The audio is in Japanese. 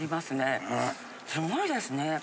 すごいですね。